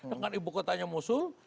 dengan ibu kotanya mosul